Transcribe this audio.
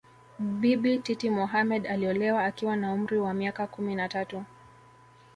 Bibi Titi Mohammed aliolewa akiwa na umri wa miaka kumi na tatu